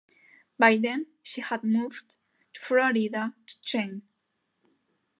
By then, she had moved to Florida to train.